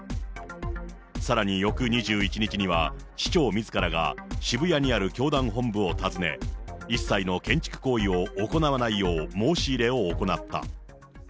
さらに翌２１日には、市長みずからが、渋谷にある教団本部を訪ね、一切の建築行為を行わないよう申し入れを行った。